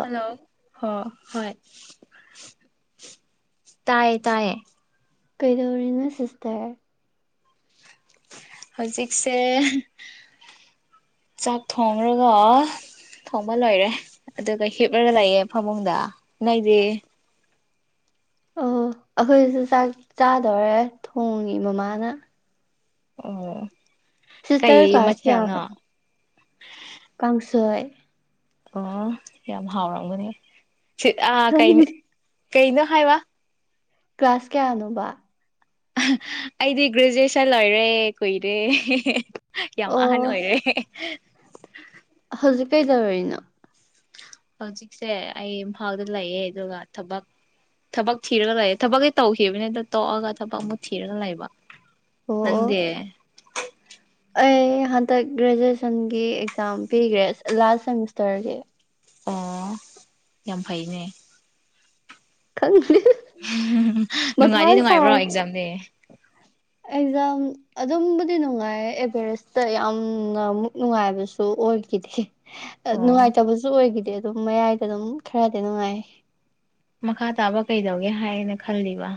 hello ꯍꯣ ꯍꯣꯏ ꯇꯥꯏꯌꯦ ꯇꯥꯏꯌꯦ ꯀꯩꯗꯧꯔꯤꯅꯣ ꯁꯤꯁꯇꯔ ꯍꯧꯖꯤꯛꯁꯦ ꯆꯥꯛ ꯊꯣꯡꯔꯒ ꯊꯣꯡꯕ ꯂꯣꯏꯔꯦ ꯑꯗꯨꯒ ꯍꯤꯞꯂꯒ ꯂꯩꯌꯦ ꯐꯃꯨꯡꯗ ꯅꯪꯗꯤ ꯑꯣ ꯑꯩꯈꯣꯏꯁꯨ ꯆꯥꯛ ꯆꯥꯗꯧꯔꯦ ꯊꯣꯡꯉꯤ ꯃꯃꯥꯅ ꯑꯣ ꯀꯩ ꯁꯤꯁꯇꯔ ꯀ꯭ꯂꯥꯁ ꯃꯊꯦꯜꯅꯣ ꯀꯌꯥꯅꯣ ꯀꯥꯡꯁꯣꯏ ꯑꯣ ꯌꯥꯝ ꯍꯥꯎꯔꯝꯒꯅꯦ ꯁꯤ ꯑ ꯀꯩ ꯈꯪꯗꯦ ꯀꯩꯅꯣ ꯍꯥꯏꯕ ꯀ꯭ꯂꯥꯁ ꯀꯌꯥꯅꯣꯕ ꯑꯩꯗꯤ ꯒ꯭ꯔꯦꯖꯨꯑꯦꯁꯟ ꯂꯣꯏꯔꯦ ꯀꯨꯏꯔꯦ ꯌꯥꯝ ꯑꯍꯟ ꯑꯣ ꯑꯣꯏꯔꯦ ꯍꯧꯖꯤꯛ ꯀꯩꯗꯧꯔꯤꯅꯣ ꯍꯧꯖꯤꯛꯁꯦ ꯑꯩ ꯏꯝꯐꯥꯜꯗ ꯂꯩꯌꯦ ꯑꯗꯨꯒ ꯊꯕꯛ ꯊꯕꯛ ꯊꯤꯔꯒ ꯂꯩꯌꯦ ꯊꯕꯛꯀꯤ ꯇꯧꯈꯤꯕꯅꯤꯗ ꯇꯣꯛꯑꯒ ꯊꯕꯛ ꯑꯃꯨꯛ ꯊꯤꯔꯒ ꯂꯩꯕ ꯑꯣ ꯑꯣ ꯅꯪꯗꯦ ꯑꯩ ꯍꯟꯗꯛ ꯒ꯭ꯔꯦꯖꯨꯑꯦꯁꯟꯒꯤ ꯑꯦꯛꯖꯥꯝ ꯄꯤꯒ꯭ꯔꯦ ꯂꯥꯁ ꯁꯦꯃꯤꯁꯇꯔꯒꯤ ꯑꯣ ꯌꯥꯝ ꯐꯩꯅꯦ ꯈꯪ [unintelligible] [unintelligible] ꯅꯨꯡꯉꯥꯏꯗꯤ ꯅꯨꯡꯉꯥꯏꯕ꯭ꯔꯣ ꯑꯦꯛꯖꯥꯝꯅꯦ ꯑꯦꯛꯖꯥꯝ ꯑꯗꯨꯝꯕꯨꯗꯤ ꯅꯨꯡꯉꯥꯏ ꯑꯦꯚꯔꯦꯁꯇ ꯌꯥꯝꯅ ꯃꯨꯛ ꯅꯨꯡꯉꯥꯏꯕꯁꯨ ꯑꯣꯏ ꯈꯤꯗꯦ ꯑꯥ ꯑꯣ ꯅꯨꯡꯉꯥꯏꯇꯕꯁꯨ ꯑꯣꯏꯈꯤꯗꯦ ꯑꯗꯨꯝ ꯃꯌꯥꯏꯗ ꯑꯗꯨꯝ ꯈꯔꯗꯤ ꯅꯨꯡꯉꯥꯏ ꯃꯈꯥ ꯇꯥꯕ ꯀꯩꯗꯧꯒꯦ ꯍꯥꯏꯅ ꯈꯜꯂꯤꯕ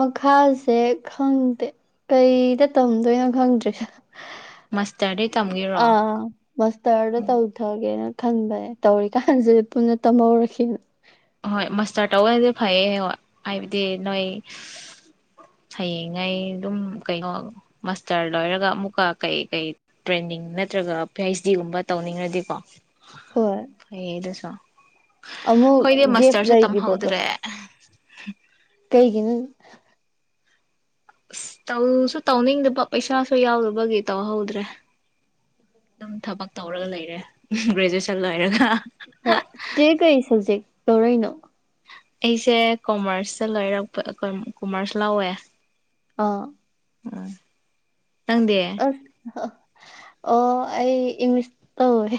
ꯃꯈꯥꯁꯦ ꯈꯪꯗꯦ ꯀꯩꯗ ꯇꯝꯗꯣꯏꯅꯣ ꯈꯪꯗ꯭ꯔꯔꯤ ꯃꯥꯁꯇꯔꯗꯤ ꯇꯝꯒꯦꯔꯣ ꯑꯥ ꯃꯥꯁꯇꯔꯗ ꯇꯧꯊꯒꯦꯅ ꯈꯟꯕꯅꯦ ꯇꯧꯔꯤꯀꯥꯟꯁꯤꯗꯤ ꯄꯨꯟꯅ ꯇꯝꯍꯧꯔꯛꯈꯤꯅ ꯍꯣꯏ ꯃꯁꯇꯔ ꯇꯧꯕꯟꯗꯤ ꯐꯩꯌꯦ ꯍꯣꯏ ꯍꯥꯏꯕꯗꯤ ꯅꯣꯏ ꯍꯌꯦꯡꯉꯩ ꯑꯗꯨꯝ ꯀꯩꯅꯣ ꯃꯁꯇꯔ ꯂꯣꯏꯔꯒ ꯑꯃꯨꯛꯀ ꯀꯩ ꯀꯩ ꯇ꯭ꯔꯦꯟꯅꯤꯡ ꯅꯠꯇ꯭ꯔꯒ ꯄꯤ ꯍꯩꯆ ꯗꯤꯒꯨꯝꯕ ꯇꯧꯅꯤꯡꯉꯗꯤꯀꯣ ꯍꯣꯏ ꯐꯩ ꯑꯗꯨꯁꯣ ꯑꯃꯨꯛ ꯒꯦꯞ ꯂꯩꯒꯤꯕꯇꯣ ꯀꯩꯒꯤꯅꯨꯟ ꯑꯁ ꯇꯧꯁꯨ ꯇꯧꯅꯤꯡꯗꯕ ꯄꯩꯁꯥꯁꯨ ꯌꯥꯎꯗꯕꯒꯤ ꯇꯧꯍꯧꯗ꯭ꯔꯦ ꯑꯗꯨꯝ ꯊꯕꯛ ꯇꯧꯔꯒ ꯂꯩꯔꯦ ꯒ꯭ꯔꯦꯖꯨꯑꯦꯁꯟ ꯂꯣꯏꯔꯒ ꯍꯣꯏ ꯆꯦ ꯀꯩ ꯁꯕꯖꯦꯛ ꯇꯧꯔꯩꯅꯣ ꯑꯩꯁꯦ ꯀꯣꯃꯔꯁꯇ ꯂꯣꯏꯔꯛꯄ ꯀꯣꯃꯔꯁ ꯂꯧꯋꯦ ꯑꯥ ꯑꯣ ꯅꯪꯗꯦ ꯑꯣ ꯑꯩ ꯏꯪꯂꯤꯁ ꯇꯧꯑꯦ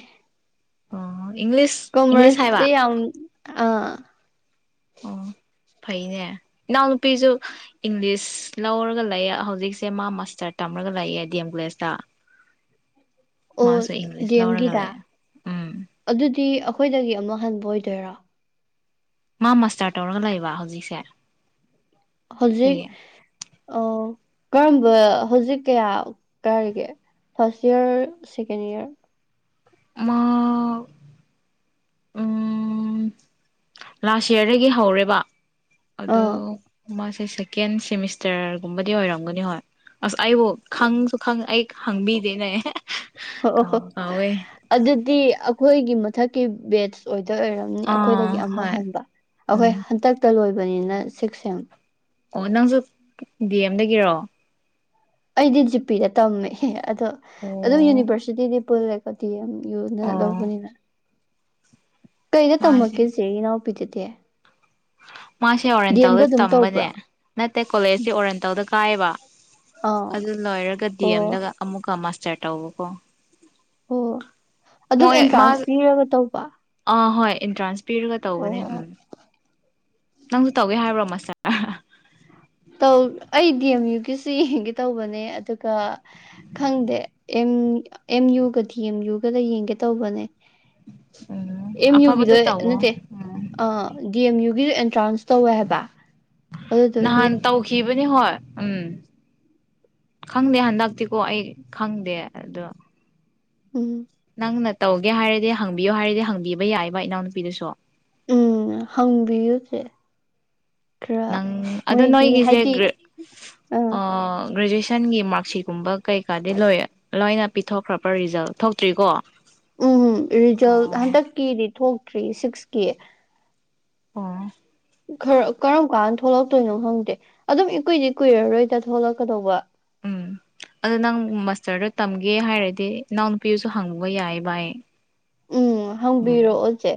ꯑꯣ ꯏꯪꯂꯤꯁ ꯏꯪꯂꯤꯁ ꯀꯃꯔꯁ ꯍꯥꯏꯕ ꯇꯤ ꯌꯥꯝ ꯑꯥ ꯑꯣ ꯐꯩꯅꯦ ꯏꯅꯥꯎ ꯅꯨꯄꯤꯁꯨ ꯏꯪꯂꯤꯁ ꯂꯧꯔꯒ ꯂꯩꯑ ꯍꯧꯖꯤꯛꯁꯦ ꯃꯥ ꯃꯥꯁꯇꯔ ꯇꯝꯔꯒ ꯂꯩꯌꯦ ꯗꯤ ꯑꯦꯝ ꯀꯣꯂꯦꯖꯇ ꯑꯣ ꯃꯥꯁꯨ ꯗꯤ ꯏꯪꯂꯤꯁ ꯂꯧꯔꯒ ꯑꯦꯝꯒꯤꯗ ꯂꯩꯌꯦ ꯎꯝ ꯑꯗꯨꯗꯤ ꯑꯩꯈꯣꯏꯗꯒꯤ ꯑꯃꯨꯛ ꯍꯟꯕ ꯑꯣꯏꯗꯣꯏꯔꯣ ꯃꯥ ꯃꯁꯇꯔ ꯇꯧꯔꯒ ꯂꯩꯕ ꯍꯧꯖꯤꯛꯁꯦ ꯍꯧꯖꯤꯛ ꯑꯗꯨꯒꯤ ꯑ ꯀꯔꯝꯕ ꯍꯧꯖꯤꯛ ꯀꯌꯥ ꯀꯥꯔꯤꯒꯦ ꯐꯥꯔꯁ ꯏꯔ ꯁꯦꯀꯦꯟ ꯏꯔ ꯃꯥ ꯎꯝ ꯂꯥꯁ ꯌꯤꯌꯥꯔꯗꯒꯤ ꯍꯧꯔꯦꯕ ꯑꯗꯨ ꯑꯥ ꯃꯥꯁꯦ ꯁꯦꯛ ꯀꯦꯟ ꯁꯦꯃꯤꯁꯇꯔꯒꯨꯝꯕꯗꯤ ꯑꯣꯏꯔꯝꯒꯅꯤ ꯍꯣꯏ ꯑꯁ ꯑꯩꯕꯨ ꯈꯪꯁꯨ ꯈꯪ ꯑꯩ ꯈꯪꯕꯤꯗꯦꯅꯦ ꯍꯣ ꯑꯣ ꯍꯣ ꯀꯥꯎꯕꯨ ꯀꯥꯎꯋꯦ ꯑꯗꯨꯗꯤ ꯑꯩꯈꯣꯏꯒꯤ ꯃꯊꯛꯀꯤ ꯕꯦꯠꯁ ꯑꯣꯏꯗ ꯑꯣꯏꯔꯝ ꯃꯤꯑꯩꯈꯣꯏꯗꯒꯤ ꯑꯥ ꯑꯃꯨꯛ ꯍꯣꯏ ꯍꯟꯕ ꯑꯩꯈꯣꯏ ꯎꯝ ꯍꯟꯇꯛꯇ ꯂꯣꯏꯕꯅꯤꯅ ꯁꯤꯛꯁ ꯁꯦꯝ ꯑꯣ ꯅꯪꯁꯨ ꯗꯤ ꯑꯦꯝꯗꯒꯤꯔꯣ ꯑꯩꯗꯤ ꯖꯤꯄꯤꯗ ꯇꯝꯃꯦ ꯑꯗꯣ ꯑꯣ ꯑꯗꯨꯝ ꯌꯨꯅꯤꯚꯔꯁꯤꯇꯤꯗꯤ ꯄꯨꯜꯂꯦ ꯗꯤꯌꯦꯝ ꯌꯨꯅꯥ ꯑꯣ ꯂꯧꯕꯅꯤꯅ ꯀꯩꯗ ꯃꯥꯁꯦ ꯇꯝꯃꯛꯀꯦꯁꯦ ꯏꯅꯥꯎꯄꯤꯗꯨꯗꯤ ꯃꯥꯁꯦ ꯗꯤ ꯑꯣꯔꯦꯟꯇꯦꯜꯗ ꯑꯦꯝꯗ ꯑꯗꯨꯝ ꯇꯝꯕꯅꯦ ꯇꯧꯕ꯭ꯔꯣ ꯅꯠꯇꯦ ꯀꯣꯂꯦꯖꯇꯤ ꯑꯣꯔꯦꯟꯇꯜꯗ ꯀꯥꯏꯌꯦꯕ ꯑꯥ ꯑꯗꯨ ꯂꯣꯏꯔꯒ ꯗꯤ ꯑꯣ ꯑꯦꯝꯗꯒ ꯑꯃꯨꯛꯀ ꯃꯥꯁꯇꯔ ꯇꯧꯕꯀꯣ ꯑꯣ ꯑꯗꯨꯝ ꯃꯣꯏ ꯃꯥ ꯑꯦꯟꯇ꯭ꯔꯥꯟꯁ ꯄꯤꯔꯒ ꯇꯧꯕ ꯑꯥ ꯍꯣꯏ ꯑꯦꯟꯇ꯭ꯔꯥꯟꯁ ꯄꯤꯔꯒ ꯑꯣ ꯇꯧꯕꯅꯦ ꯑꯣ ꯎꯝ ꯅꯪꯁꯨ ꯇꯧꯒꯦ ꯍꯥꯏꯕ꯭ꯔꯣ ꯃꯁꯇ꯭ꯔ ꯑꯩ ꯗꯤ ꯑꯦꯝ ꯌꯨꯒꯤꯁꯦ ꯌꯦꯡꯒꯦ ꯇꯧꯕꯅꯦ ꯑꯗꯨꯒ ꯈꯪꯗꯦ ꯑꯦꯝ ꯑꯦꯝ ꯌꯨꯒ ꯗꯤ ꯑꯦꯝ ꯌꯨꯒꯗ ꯌꯦꯡꯒꯦ ꯇꯧꯕꯅꯦ ꯎꯝ ꯑꯦꯝ ꯑꯐꯕꯗ ꯌꯨꯒꯤꯗꯣ ꯇꯧꯋꯣ ꯅꯠꯇꯦ ꯎꯝ ꯑꯥ ꯗꯤ ꯑꯦꯝ ꯌꯨꯒꯤꯗꯣ ꯑꯦꯟꯇ꯭ꯔꯥꯟꯁ ꯇꯧꯋꯦ ꯍꯥꯏꯕ ꯑꯗꯨꯗꯨꯒꯤ ꯅꯍꯥꯟ ꯇꯧꯈꯤꯕꯅꯤ ꯍꯣꯏ ꯎꯝ ꯈꯪꯗꯦ ꯍꯟꯗꯛꯇꯤꯀꯣ ꯑꯩ ꯈꯪꯗꯦ ꯑꯗꯣ ꯎꯝ ꯅꯪꯅ ꯇꯧꯒꯦ ꯍꯥꯏꯔꯗꯤ ꯍꯪꯕꯤꯌꯨ ꯍꯥꯏꯔꯗꯤ ꯍꯪꯕꯤꯕ ꯌꯥꯏꯕ ꯏꯅꯥꯎꯅꯨꯄꯤꯗꯨꯁꯨ ꯎꯝ ꯍꯪꯕꯤꯌꯨ ꯆꯦ ꯈꯔ ꯅꯪ ꯑꯗꯣ ꯃꯣꯏꯒꯤ ꯅꯣꯏꯒꯤꯁꯦ ꯍꯥꯏꯗꯤ ꯒ꯭ꯔꯦ ꯑꯥ ꯒ꯭ꯔꯦꯖꯨꯋꯦꯁꯟꯒꯤ ꯃꯥꯛ ꯁꯤꯒꯨꯝꯕ ꯀꯩꯀꯥꯗꯤ ꯂꯣꯏꯔꯦ ꯂꯣꯏꯅ ꯄꯤꯊꯣꯛꯈ꯭ꯔꯕ꯭ꯔꯥ ꯔꯤꯖꯜ ꯊꯣꯛꯇ꯭ꯔꯤꯀꯣ ꯎꯝ ꯔꯤꯖꯜ ꯍꯟꯗꯛꯀꯤꯗꯤ ꯊꯣꯛꯇ꯭ꯔꯤ ꯁꯤꯛꯁꯀꯤ ꯑꯣ ꯈꯔ ꯀꯔꯝ ꯀꯥꯟꯗ ꯊꯣꯛꯂꯛꯇꯣꯏꯅꯣ ꯈꯪꯗꯦ ꯑꯗꯨꯝ ꯏꯀꯨꯏꯗꯤ ꯀꯨꯏꯔꯔꯣꯏꯗ ꯊꯣꯛꯂꯛꯀꯗꯧꯕ ꯎꯝ [inaudible] ꯑꯗꯣ ꯅꯪ ꯃꯁꯇ꯭ꯔꯗꯣ ꯇꯝꯒꯦ ꯍꯥꯏꯔꯗꯤ ꯏꯅꯥꯎ ꯅꯨꯄꯤꯗꯨꯁꯨ ꯍꯪꯕ ꯌꯥꯏꯕ ꯑꯩ ꯎꯝ ꯎꯝ ꯍꯪꯕꯤꯔꯛꯑꯣ ꯆꯦ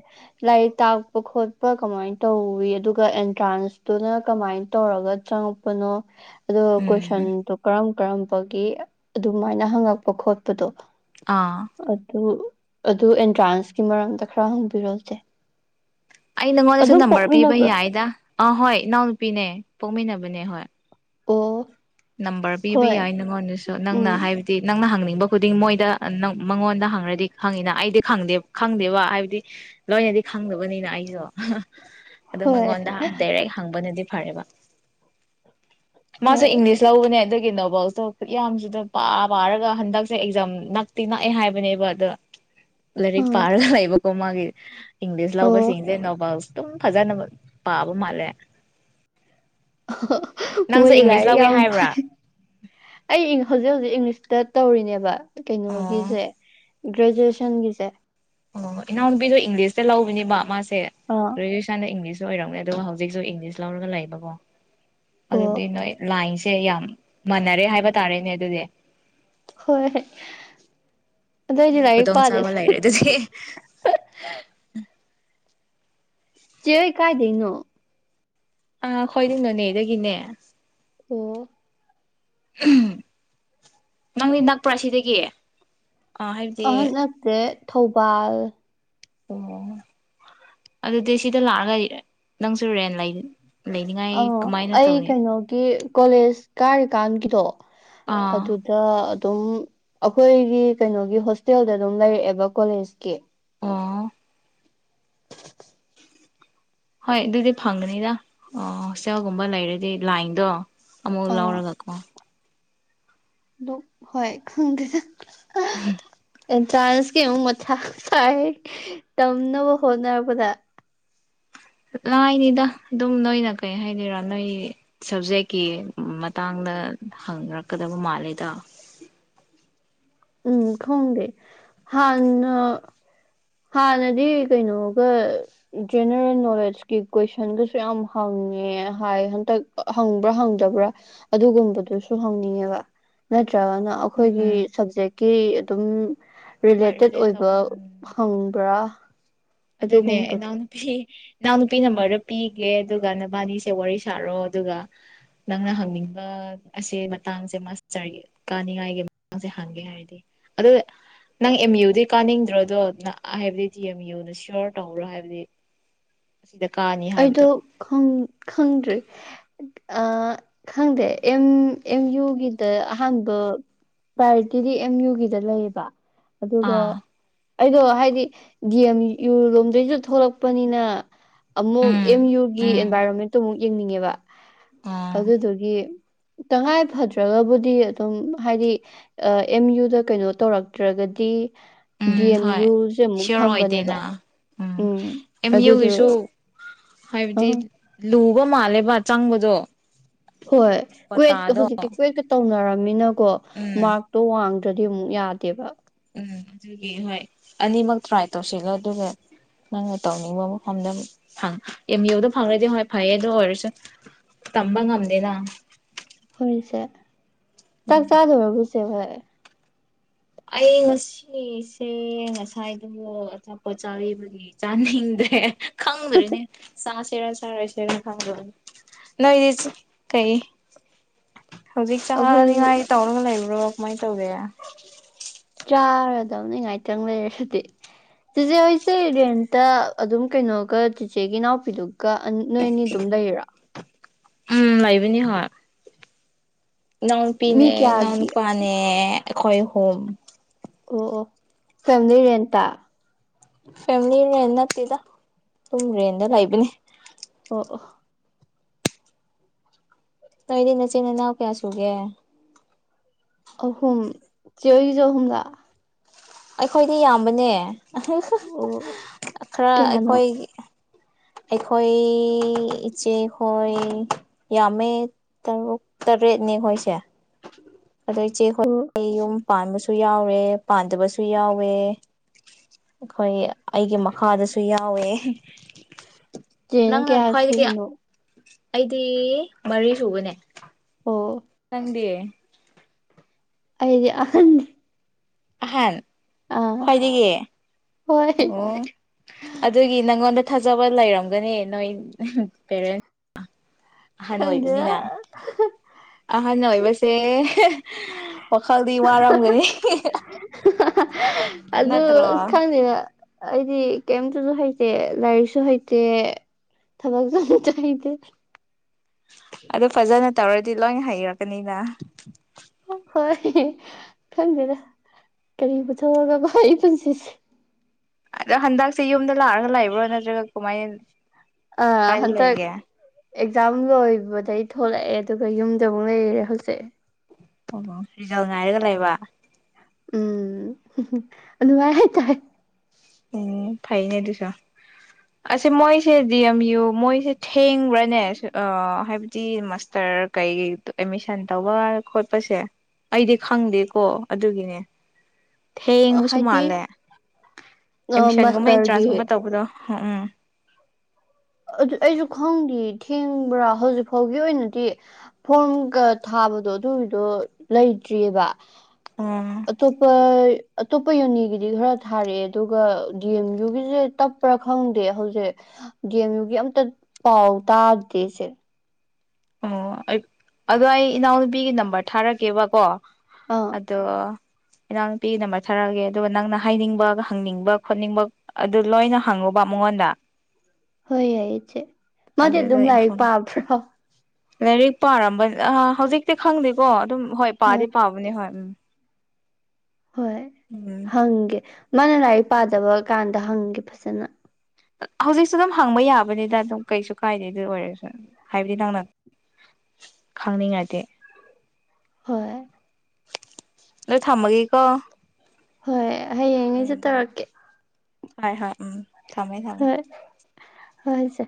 ꯂꯥꯏꯔꯤꯛ ꯇꯥꯛꯄ ꯈꯣꯠꯄ ꯀꯃꯥꯏ ꯇꯧꯋꯤ ꯑꯗꯨꯒ ꯑꯦꯟꯇ꯭ꯔꯥꯟꯁꯇꯨꯅ ꯀꯃꯥꯏꯅ ꯇꯧꯔꯒ ꯆꯉꯛ ꯄꯅꯣ ꯑꯗꯨꯒ ꯎꯝ ꯀꯣꯏꯁꯟꯗꯣ ꯀꯔꯝ ꯀꯔꯝꯕꯒꯤ ꯑꯗꯨꯃꯥꯏꯅ ꯍꯪꯉꯛꯄ ꯈꯣꯠꯄꯗꯣ ꯑꯥ ꯑꯗꯨ ꯑꯗꯨ ꯑꯦꯟꯇ꯭ꯔꯥꯟꯁꯀꯤ ꯃꯔꯝꯗ ꯈꯔ ꯍꯪꯕꯤꯔꯛꯑꯣ ꯆꯦ ꯑꯩ ꯅꯪꯉꯣꯟꯗꯁꯨ ꯑꯗꯨꯝ ꯅꯝꯕꯔ ꯄꯤꯕ ꯄꯣꯛꯃꯤꯟꯅꯕ꯭ꯔꯣ ꯌꯥꯏꯗ ꯑꯥ ꯍꯣꯏ ꯏꯅꯥꯎꯅꯨꯄꯤꯅꯦ ꯄꯣꯛꯃꯤꯟꯅꯕꯅꯦ ꯍꯣꯏ ꯑꯣ ꯅꯝꯕꯔ ꯄꯤꯕ ꯍꯣꯏ ꯌꯥꯏ ꯅꯪꯉꯣꯟꯗꯁꯨ ꯎꯝ ꯅꯪꯅ ꯍꯥꯏ ꯗꯤ ꯅꯪꯅ ꯍꯪꯅꯤꯡꯕ ꯈꯨꯗꯤꯡ ꯃꯣꯏꯗ ꯃꯥ ꯃꯉꯣꯟꯗ ꯍꯪꯔꯗꯤ ꯈꯪꯉꯤꯅ ꯑꯩꯗꯤ ꯈꯪꯗꯦ ꯈꯪꯗꯦꯕ ꯍꯥꯏꯕꯗꯤ ꯂꯣꯏꯅꯗꯤ ꯈꯪꯗꯕꯅꯤꯅ ꯑꯩꯖꯨ ꯑꯗꯣ ꯍꯣꯏ ꯃꯉꯣꯟꯗ ꯗꯥꯏꯔꯦꯛ ꯍꯪꯕꯅꯗꯤ ꯐꯔꯦꯕ ꯃꯥꯁꯦ ꯍꯣꯏ ꯏꯪꯂꯤꯁ ꯂꯧꯕꯅꯦ ꯑꯗꯨꯒꯤ ꯅꯣꯕꯜꯁꯇꯣ ꯈꯨꯠ ꯌꯥꯝꯁꯤꯗ ꯄꯥ ꯄꯥꯔꯒ ꯍꯟꯗꯛꯁꯦ ꯑꯦꯛꯖꯥꯝ ꯅꯛꯇꯤ ꯅꯛꯑꯦ ꯍꯥꯏꯕꯅꯦꯕ ꯑꯗꯣ [inaudible] ꯂꯥꯏꯔꯤꯛ ꯄꯥꯔꯒ ꯂꯩꯕꯀꯣ ꯃꯥꯒꯤ ꯏꯪꯂꯤꯁ ꯑꯣ ꯂꯧꯕꯁꯤꯡꯁꯦ ꯅꯣꯕꯥꯜꯁ ꯑꯗꯨꯝ ꯐꯖꯅꯕ ꯄꯥꯕ ꯃꯥꯜꯂꯦ ꯅꯪꯁꯨ ꯃꯣꯏꯗꯤ ꯏꯪꯂꯤꯁ ꯂꯥꯏꯔꯤꯛ ꯂꯧꯒꯦ ꯌꯥꯝ ꯍꯥꯏꯕ꯭ꯔꯥ ꯄꯥꯏ ꯑꯩ ꯍꯧꯖꯤꯛ ꯍꯧꯖꯤꯛ ꯏꯪꯂꯤꯁꯇ ꯇꯧꯔꯤꯅꯦꯕ ꯑꯣ ꯀꯩꯅꯣꯒꯤꯖꯦ ꯒ꯭ꯔꯦꯖꯨꯑꯦꯁꯟꯒꯤꯁꯦ ꯑꯣ ꯏꯅꯥꯎꯅꯨꯄꯤꯗꯣ ꯏꯪꯂꯤꯁꯇ ꯂꯧꯕꯅꯦꯕ ꯃꯥꯁꯦ ꯑꯥ ꯒ꯭ꯔꯦꯖꯨꯑꯦꯁꯟꯗ ꯏꯪꯂꯤꯁꯨ ꯑꯣꯏꯔꯝꯅꯤ ꯑꯗꯨꯒ ꯍꯧꯖꯤꯛꯁꯨ ꯏꯪꯂꯤꯁ ꯂꯧꯔꯒ ꯂꯩꯕꯀꯣ ꯑꯣ ꯑꯗꯨꯗꯤ ꯅꯣꯏ ꯂꯥꯏꯟꯁꯦ ꯌꯥꯝ ꯃꯥꯟꯅꯔꯦ ꯍꯥꯏꯕ ꯇꯥꯔꯦꯅꯦ ꯑꯗꯨꯗꯤ ꯍꯣꯏ ꯑꯗꯣ ꯑꯩꯗꯤ ꯂꯥꯏꯔꯤꯛ ꯄꯥꯗꯦꯗ ꯗꯨꯗꯤ ꯆꯦ ꯍꯣꯏ ꯀꯥꯏꯗꯩꯅꯣ ꯑꯥ ꯑꯈꯣꯏꯗꯤ ꯅꯣꯅꯦꯗꯒꯤꯅꯦ ꯑꯣ ꯎꯝ ꯅꯪꯗꯤ ꯅꯛꯄ꯭ꯔꯥ ꯑꯁꯤꯗꯒꯤ ꯑꯍꯟ ꯅꯠꯇꯦ ꯊꯧꯕꯥꯜ ꯑꯣ ꯑꯗꯨꯗꯤ ꯁꯤꯗ ꯂꯥꯛꯔꯒ ꯅꯪꯁꯨ ꯔꯦꯟ ꯂꯩ ꯂꯩꯅꯤꯡꯉꯥꯏ ꯑꯥ ꯀꯃꯥꯏꯅ ꯑꯩ ꯇꯧꯅꯤ ꯀꯩꯅꯣꯒꯤ ꯀꯣꯂꯦꯖ ꯀꯥꯔꯤꯀꯥꯟꯒꯤꯗꯣ ꯑꯥ ꯑꯗꯨ ꯇꯥ ꯑꯗꯨꯝ ꯑꯈꯣꯏꯒꯤ ꯀꯩꯅꯣꯒꯤ ꯍꯣꯁꯇꯦꯜꯗ ꯑꯗꯨꯝ ꯂꯩꯔꯛꯑꯦꯕ ꯀꯣꯂꯦꯖꯀꯤ ꯑꯣ [inaudible] ꯍꯣꯏ ꯑꯗꯨꯗꯤ ꯐꯪꯒꯅꯤꯗ ꯑꯣ ꯁꯦꯜꯒꯨꯝꯕ ꯂꯩꯔꯗꯤ ꯂꯥꯏꯟꯗꯣ ꯑꯃꯨꯛ ꯑꯥ ꯂꯧꯔꯒꯥꯀꯣ ꯗꯨ ꯍꯣꯏ ꯈꯪꯗ‌ꯦꯗ ꯎꯝ ꯑꯦꯟꯇ꯭ꯔꯥꯟꯁ ꯀꯤ ꯑꯃꯨꯛ ꯃꯊꯥ ꯁꯥꯏ ꯇꯝꯅꯕ ꯍꯣꯠꯅꯔꯛꯄꯗ ꯂꯥꯏꯅꯤꯗ ꯑꯗꯨꯝ ꯅꯣꯏꯅ ꯀꯩ ꯍꯥꯏꯗꫭꯔꯥ ꯅꯣꯏ ꯁꯕꯖꯦꯛꯀꯤ ꯃꯇꯥꯡꯗ ꯍꯪꯔꯛꯀꯥꯗꯕ ꯃꯥꯜꯂꯦꯗ ꯎꯝ ꯈꯪꯗ‌ꯦ ꯍꯥꯟꯅ ꯍꯥꯟꯅꯗꯤ ꯀꯩꯅꯣꯒ ꯖꯦꯅꯦꯔꯦꯜ ꯅꯣꯂꯦꯖꯀꯤ ꯀꯣꯏꯁꯟꯒꯁꯨ ꯌꯥꯝ ꯍꯪꯉꯦ ꯍꯥꯏ ꯍꯟꯇꯛ ꯍꯪꯕ꯭ꯔꯥ ꯍꯪꯗꯕ꯭ꯔꯥ ꯑꯗꯨꯒꯨꯝꯕꯗꯨꯁꯨ ꯍꯪꯅꯤꯡꯉꯦꯕ ꯅꯠꯇ꯭ꯔꯥꯒꯅ ꯑꯈꯣꯏꯒꯤ ꯎꯝ ꯁꯕꯖꯦꯛ ꯀꯤ ꯑꯗꯨꯝ ꯍꯣꯏ ꯔꯤꯂꯦꯇꯦꯠ ꯔꯤꯂꯦꯠ ꯇꯧ ꯑꯣꯏꯕ ꯎꯝ ꯍꯪꯕ꯭ꯔꯥ ꯑꯗꯨꯅꯦ ꯑꯗꯨꯒꯨꯝꯕꯗꯣ ꯏꯅꯥꯎ ꯏꯅꯥꯎ ꯅꯨꯄꯤ ꯅꯝꯕꯔꯗꯣ ꯄꯤꯒꯦ ꯑꯗꯨꯒ ꯅꯕꯥꯅꯤꯁꯦ ꯋꯥꯔꯤ ꯁꯥꯔꯣ ꯑꯗꯨꯒ ꯅꯪꯅ ꯍꯪꯅꯤꯡꯕ ꯑꯁꯤ ꯃꯇꯥꯡꯁꯦ ꯃꯥꯁꯇꯔꯒꯤ ꯀꯥꯅꯤꯡꯉꯥꯏꯒꯤ ꯃꯇꯥꯡꯁꯦ ꯍꯪꯒꯦ ꯍꯥꯏꯔꯗꯤ ꯑꯗꯨ ꯅꯪ ꯑꯦꯝ ꯌꯨꯗꯤ ꯀꯥꯅꯤꯡꯗ꯭ꯔꯣꯗꯣ ꯍꯥꯏꯕꯗꯤ ꯗꯤ ꯑꯦꯝ ꯌꯨꯅ ꯁꯤ [unintelligible] ꯇꯧꯕ꯭ꯔꯥ ꯍꯥꯏꯕꯗꯤ ꯁꯤꯗ ꯀꯥꯅꯤ ꯑꯩꯗꯣ ꯍꯥꯏꯕꯗꯣ ꯈꯪ ꯈꯪꯗ꯭ꯔꯦ ꯑꯥ ꯈꯪꯗꯦ ꯑꯦꯝ ꯑꯦꯝ ꯌꯨꯒꯤꯗ ꯑꯍꯥꯟꯕ ꯄ꯭ꯔꯥꯏꯌꯣꯔꯤꯇꯤꯗꯤ ꯑꯦꯝ ꯌꯨꯒꯤꯗ ꯂꯩꯑꯕ ꯑꯗꯨꯒ ꯑꯥ ꯑꯩꯗꯣ ꯍꯥꯏꯗꯤ ꯗ‌ꯦꯝ ꯏꯌꯨ ꯂꯣꯝꯗꯩꯖꯨ ꯊꯣꯛꯂꯛꯄꯅꯤꯅ ꯑꯃꯨꯛ ꯎꯝ ꯑꯦꯝ ꯌꯨꯒꯤ ꯎꯝ ꯑꯦꯟꯚꯥꯏꯔꯣꯟꯃꯦꯟꯇꯣ ꯑꯃꯨꯛ ꯌꯦꯡꯅꯤꯡꯉꯦꯕ ꯑꯣ ꯑꯗꯨꯗꯨꯒꯤ ꯇꯉꯥꯏ ꯐꯗ꯭ꯔꯥꯒꯕꯨꯗꯤ ꯑꯗꯨꯝ ꯍꯥꯏꯗꯤ ꯑꯥ ꯑꯦꯝ ꯌꯨꯗ ꯀꯩꯅꯣ ꯇꯧꯔꯛꯇ꯭ꯔꯥꯒꯗꯤ ꯎꯝ ꯗꯦꯝ ꯍꯣꯏ ꯌꯨꯖꯦ ꯑꯃꯨꯛ ꯁꯤꯌꯣꯔ ꯊꯝꯕꯅꯦꯕ ꯑꯣꯏꯗꯦꯅ ꯎꯝ ꯑꯦꯝ ꯑꯗꯨꯗꯣ ꯌꯨꯒꯤꯁꯨ ꯍꯥꯏꯕꯗꯤ ꯑꯥ ꯂꯨꯕ ꯃꯥꯜꯂꯦꯕ ꯆꯪꯕꯗꯣ ꯍꯣꯏ ꯀ꯭ꯋꯦꯠꯀꯥ ꯀ꯭ꯋꯥꯇꯥꯗꯣ ꯍꯨꯖꯤꯛꯇꯤ ꯀ꯭ꯋꯦꯠꯀꯥ ꯇꯧꯅꯔꯝꯃꯤꯅꯀꯣ ꯎꯝ ꯃꯥꯔꯛꯇꯣ ꯋꯥꯡ ꯇ꯭ꯔꯥꯗꯤ ꯑꯃꯨꯛ ꯌꯥꯗꯦꯕ ꯎꯝ ꯑꯗꯨꯒꯤ ꯍꯣꯏ ꯑꯅꯤꯃꯛ ꯇ꯭ꯔꯥꯏ ꯇꯧꯁꯤꯜꯂꯣ ꯑꯗꯨꯒ ꯅꯪꯅ ꯇꯧꯅꯤꯡꯕ ꯃꯐꯝꯗ ꯐꯪ ꯑꯦꯝ ꯌꯨꯗ ꯐꯪꯔꯗꯤ ꯍꯣꯏ ꯐꯩꯌꯦ ꯑꯗꯨ ꯑꯣꯏꯔꯁꯨ ꯇꯝꯕ ꯉꯝꯗꯦꯅ ꯍꯣꯏ ꯏꯁꯦ ꯆꯥꯛ ꯑꯗꯨꯒꯤ ꯆꯥꯗꯣꯔꯕꯣ ꯏꯆꯦꯍꯣꯏ ꯑꯩ ꯉꯁꯤꯁꯦ ꯉꯁꯥꯏꯗꯨꯕꯨ ꯑꯆꯥꯄꯣꯠ ꯆꯥꯔꯤꯕꯒꯤ ꯆꯥꯅꯤꯡꯗ꯭ꯔꯦ ꯈꯪꯗꯔꯤꯅꯦ ꯆꯁꯤꯔꯥ ꯆꯥꯔꯣꯏꯁꯦꯔꯥ [unintelligible] ꯂꯩꯔꯤꯁꯤ ꯀꯩ ꯍꯧꯖꯤꯛ ꯑꯩꯈꯣꯏ ꯆꯥꯅꯤꯉꯥꯏ ꯇꯧꯔꯒ ꯂꯩꯕ꯭ꯔꯣ ꯀꯃꯥꯏ ꯇꯧꯒ‌ꯦ [unintelligible] ꯆꯥꯔꯗꯧꯅꯤ ꯉꯥꯏꯇꯪ ꯂꯩꯔꯁꯨꯗꯤ ꯆꯦꯆꯦ ꯍꯣꯏꯁꯦ ꯔꯦꯟꯇ ꯑꯗꯨꯝ ꯀꯩꯅꯣꯒ ꯆꯦꯆꯦꯒꯤ ꯏꯅꯥꯎꯄꯤꯗꯨ ꯒ ꯑꯥ ꯅꯣꯏ ꯑꯅꯤ ꯑꯗꯨꯝ ꯂꯩꯔꫭ ꯎꯝ ꯂꯩꯕꯅꯤ ꯍꯣꯏ ꯏꯅꯥꯎꯅꯨꯄꯤꯅꯦ ꯃꯤ ꯀꯌꯥꯒꯤ ꯏꯅꯥꯎꯅꯨꯄꯥꯅꯦ ꯑꯩꯈꯣꯏ ꯑꯍꯨꯝ ꯑꯣ ꯑꯣ ꯐꯦꯃꯤꯂꯤ ꯔꯦꯟꯇ ꯐꯦꯃꯤꯂꯤ ꯔꯦꯟ ꯅꯠꯇꯦꯗ ꯁꯨꯝ ꯔꯦꯟꯗ ꯂꯩꯕꯅꯤ ꯑꯣ ꯑꯣ ꯅꯣꯏꯗꯤ ꯅꯆꯤꯟ ꯅꯅꯥꯎ ꯀꯌꯥ ꯁꯨꯒꯦ ꯑꯍꯨꯝ ꯆꯦ ꯍ‌ꯣꯏꯒꯤꯁꯨ ꯑꯍꯨꯝꯂꯥ ꯑꯩꯈꯣꯏꯗꯤ ꯌꯥꯝꯕꯅꯦ ꯑꯣ ꯈꯔ ꯀꯌꯥꯅꯣ ꯑꯩꯈꯣꯏ ꯑꯩꯈꯣꯏ ꯏꯆꯦꯈꯣꯏ ꯌꯥꯝꯃꯦ ꯇꯔꯨꯛ ꯇꯔꯦꯠꯅꯦ ꯈꯣꯏꯁꯦ ꯑꯗꯨ ꯑꯣ ꯏꯆꯦꯈꯣꯏ ꯌꯨꯝ ꯄꯥꯟꯕꯁꯨ ꯌꯥꯎꯔꯦ ꯄꯥꯟꯗꯕꯁꯨ ꯌꯥꯎꯋꯦ ꯑꯩꯈꯣꯏ ꯑꯩꯒꯤ ꯃꯈꯥꯗꯁꯨ ꯌꯥꯎꯋꯦ ꯆꯦꯅ ꯅꯪꯅ ꯀꯌꯥ ꯈ꯭ꯋꯥꯏꯗꯒꯤ ꯁꯨꯕꯅꯣ ꯑꯩꯗꯤ ꯃꯔꯤ ꯁꯨꯕꯅꯦ ꯑꯣ ꯅꯪꯗꯤ ꯑꯩꯗꯤ ꯑꯍꯟ ꯑꯍꯥꯟ ꯈ꯭ꯋꯥꯏꯗꯒꯤ ꯍꯣꯏ ꯑꯣ ꯑꯗꯨꯒꯤ ꯅꯪꯉꯣꯟꯗ ꯊꯥꯖꯕ ꯂꯩꯔꯝꯒꯅꯤ ꯅꯣꯏ ꯄꯦꯔꯦꯟ [unintelligible] ꯑꯍꯟ ꯈꯪꯗꯦꯗ ꯑꯣꯏꯕꯅꯤꯅ ꯑꯍꯟ ꯑꯣꯏꯕꯁꯦ ꯋꯥꯈꯜꯗꯤ ꯋꯥꯔꯝꯒꯅꯤ ꯑꯗꯨ ꯅꯠꯇ꯭ꯔꯣ ꯑꯁ ꯈꯪꯗꯦꯗ ꯑꯩꯗꯤ ꯀꯩꯝꯇꯁꯨ ꯍꯩꯇꯦ ꯂꯥꯏꯔꯤꯛꯁꯨ ꯍꯩꯇꯦ ꯊꯕꯛꯁꯨ ꯑꯝꯇ ꯍꯩꯇ‌ꯦ ꯑꯗ‌ꯣ ꯐꯖꯅ ꯇꯧꯔꯗꯤ ꯂꯣꯏꯟ ꯍꯩꯔꯛꯀꯅꯤꯗ ꯍꯣꯏ ꯈꯪꯗꯦꯗ ꯀꯔꯤꯕꯨ ꯄꯨꯊꯣꯛꯑꯒꯚꯥ ꯑꯩ ꯄꯨꯟꯁꯤꯁꯦ ꯑꯗꯣ ꯍꯟꯗꯛꯁꯦ ꯌꯨꯝꯗ ꯂꯥꯛꯑꯒ ꯂꯩꯕ꯭ꯔ‌ꯣ ꯅꯠꯇ꯭ꯔꯒ ꯀꯃꯥꯏꯟ ꯑꯥ ꯍꯟꯇꯛ ꯑꯦꯛꯖꯥꯝ ꯂꯣꯏꯕꯗꯩ ꯊꯣꯛꯂꯑꯦ ꯑꯗꯨꯒ ꯌꯨꯝꯗꯃꯨꯛ ꯂꯩꯔꯦ ꯍꯧꯖꯤꯛ ꯑꯣ ꯔꯤꯖꯜ ꯉꯥꯏꯔꯒ ꯂꯩꯕ ꯎꯝ ꯑꯗꯨꯃꯥꯏ ꯍꯥꯏꯇꯥꯏ ꯎꯝ ꯐꯩꯅꯦ ꯑꯗꯨꯁꯨ ꯑꯁ‌ꯦ ꯃꯣꯏꯁꯦ ꯗꯤ ꯑꯦꯝ ꯌꯨ ꯃꯣꯏꯁꯦ ꯊꯦꯡꯕ꯭ꯔꯅꯦ ꯁꯨ ꯑ ꯍꯥꯏꯕꯗꯤ ꯃꯥꯁꯇꯔ ꯀꯩꯩꯒꯩ ꯑꯦꯃꯤꯁꯟ ꯇꯧꯕ ꯈꯣꯠꯄꯁꯦ ꯑꯩꯗꯤ ꯈꯪꯗꯦꯀꯣ ꯑꯗꯨꯒꯤꯅꯦ ꯊꯦꯡꯕꯁꯨ ꯍꯥꯏꯗꯤ ꯃꯥꯜꯂꯦ ꯑꯦꯗꯃꯤꯁꯟꯒꯨꯝꯕ ꯃꯥꯁꯇꯔꯒꯤ ꯑꯦꯟꯇ꯭ꯔꯥꯟꯁꯀꯨꯝꯕ ꯇꯧꯕꯗꯣ ꯎꯝ ꯎꯝ ꯑꯗꯨ ꯑꯩꯁꯨ ꯈꯪꯗꯦ ꯊꯦꯡꯕ꯭ꯔꯥ ꯍꯧꯖꯤꯛ ꯐꯥꯎꯒꯤ ꯑꯣꯏꯅꯗꯤ ꯐꯣꯔ꯭ꯝꯒ ꯊꯥꯕꯗꯣ ꯑꯗꯨꯒꯤꯗꯣ ꯂꯩꯇ꯭ꯔꯤꯕꯥ ꯎꯝ ꯑꯇꯣꯞꯄꯥ ꯑꯇꯣꯞꯄ ꯌꯨꯅꯤꯒꯤꯗꯤ ꯈꯔ ꯊꯥꯔꯛꯑꯦ ꯑꯗꯨꯒ ꯗꯤ ꯑꯦꯝ ꯌꯨꯒꯤꯁꯦ ꯇꯞꯄ꯭ꯔꯥ ꯈꯪꯗꯦ ꯍꯧꯖꯤꯛ ꯒꯦꯝ ꯌꯨꯒꯤ ꯑꯝꯇ ꯄꯥꯎ ꯇꯥꯗꯦꯁꯦ ꯑꯣ ꯑꯩ ꯑꯗꯣ ꯑꯩ ꯏꯅꯥꯎꯅꯨꯄꯤꯒꯤ ꯅꯝꯕꯔ ꯊꯥꯔꯛꯀꯦꯕꯀꯣ ꯑꯥ ꯑꯗꯣ ꯏꯅꯥꯎ ꯅꯨꯄꯤꯒꯤ ꯅꯝꯕꯔ ꯊꯥꯔꯛꯑꯒꯦ ꯑꯗꯨꯒ ꯅꯪꯅ ꯍꯥꯏꯅꯤꯡꯕ ꯍꯪꯅꯤꯡꯕ ꯈꯣꯠꯅꯤꯡꯕ ꯑꯗꯨ ꯂꯣꯏꯅ ꯍꯪꯉꯨꯕ ꯃꯉꯣꯟꯗ ꯍꯣꯏ ꯌꯥꯏ ꯏꯆꯦ ꯃꯥꯗꯤ ꯑꯗꯨꯝ ꯑꯗꯨꯗ ꯂꯥꯏꯔꯤꯛ ꯏꯟꯐꯣꯔꯝ ꯄꯥꯕ꯭ꯔꯣ ꯂꯥꯏꯔꯤꯛ ꯄꯥꯔꯝꯕ ꯑ ꯍꯧꯖꯤꯛꯇꯤ ꯈꯪꯗꯦꯀꯣ ꯑꯗꯨꯝ ꯍꯣꯏ ꯍ ꯄꯥꯗꯤ ꯄꯥꯕꯅꯦ ꯍꯣꯏ ꯎꯝ ꯍꯣꯏ ꯎꯝ ꯍꯪꯒꯦ ꯃꯥꯅ ꯂꯥꯏꯔꯤꯛ ꯄꯥꯗꯕ ꯀꯥꯟꯗ ꯍꯪꯒꯦ ꯐꯖꯅ ꯍꯧꯖꯤꯛꯁꯨ ꯑꯗꯨꯝ ꯍꯪꯕ ꯌꯥꯕꯅꯤꯗ ꯑꯗꯨꯝ ꯀꯩꯁꯨ ꯀꯥꯏꯗꯦ ꯑꯗꯨ ꯑꯣꯏꯔꯁꯨ ꯍꯥꯏꯕꯗꯤ ꯅꯪꯅ ꯈꯪꯅꯤꯡꯉꯥꯗꯤ ꯍꯣꯏ ꯅꯣꯏ ꯊꯝꯃꯒꯦꯀꯣ ꯍꯣꯏ ꯎꯝ ꯍꯌꯦꯡꯒꯩꯖꯨ ꯎꯝ ꯇꯧꯔꯛꯀꯦ ꯍꯣꯏ ꯍꯣꯏ ꯎꯝ ꯊꯝꯃꯦ ꯊꯝꯃꯦ ꯍꯣꯏ ꯍꯣꯏ ꯏꯆꯦ